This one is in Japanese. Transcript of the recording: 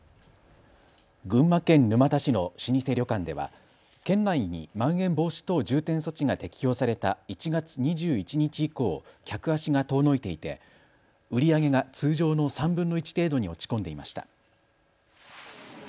群馬県沼田市の老舗旅館では県内にまん延防止等重点措置が適用された１月２１日以降、客足が遠のいていて売り上げが通常の３分の１程度に落ち込んでいました。